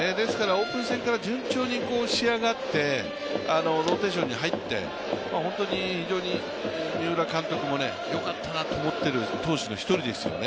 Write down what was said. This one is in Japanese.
オープン戦から順調に仕上がってローテーションに入って本当に、非常に三浦監督もよかったなと思っている投手の１人ですよね。